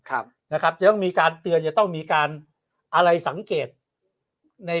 ครับนะครับจะต้องมีการเตือนจะต้องมีการอะไรสังเกตใน